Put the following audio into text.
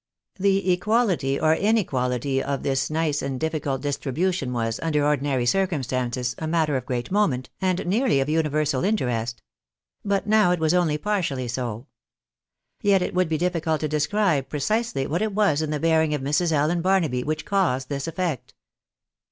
The equality or inequality of this nice and difficult distribution was, under ordinary circumstances, a matter of great moment, and nearly of universal interest ; but now it was only partially so. Yet it would be difficult to describe precisely what it was in the bear ing of Mrs. Allen Barnaby which caused this effect.